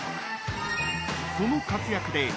［その活躍で］